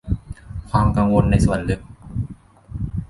ความกังวลในส่วนลึก